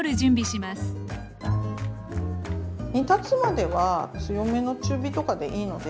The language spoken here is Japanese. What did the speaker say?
煮立つまでは強めの中火とかでいいので。